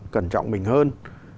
cẩn trọng mình hơn